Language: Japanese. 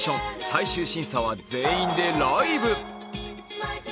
最終審査は全員でライブ。